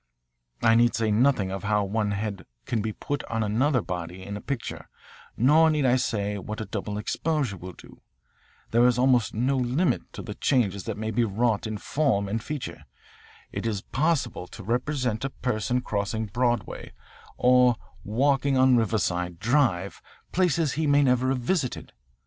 "I need say nothing of how one head can be put on another body in a picture, nor need I say what a double exposure will do. There is almost no limit to the changes that may be wrought in form and feature. It is possible to represent a person crossing Broadway or walking on Riverside Drive, places he may never have visited.